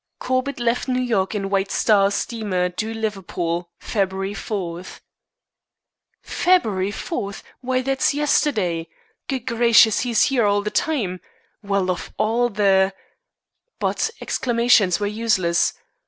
Corbett left New York in White Star steamer due Liverpool, February 4." "February 4? Why, that's yesterday. Good gracious, he's here all the time. Well, of all the " But exclamations were useless.